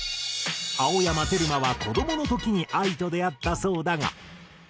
青山テルマは子どもの時にＡＩと出会ったそうだが。